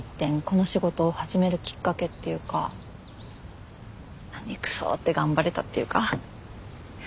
この仕事を始めるきっかけっていうかナニクソって頑張れたっていうか。